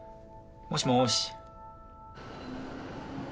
もしもし？